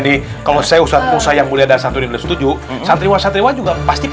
di kalau saya usaha usaha yang mulia dan santri santri jujur santriwa santriwa juga pasti